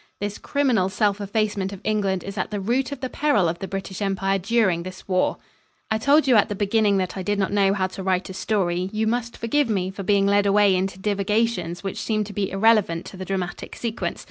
This criminal self effacement of England is at the root of the peril of the British Empire during this war. I told you at the beginning that I did not know how to write a story. You must forgive me for being led away into divagations which seem to be irrelevant to the dramatic sequence.